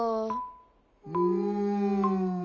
うん。